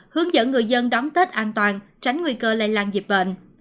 hướng dẫn người dân đóng tết an toàn tránh nguy cơ lây lan dịp bệnh